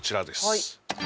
はい